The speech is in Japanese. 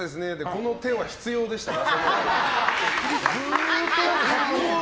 この手は必要でしたか？